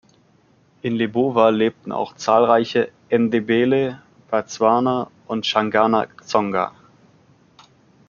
In Lebowa lebten auch zahlreiche Ndebele, Batswana und Shangana-Tsonga.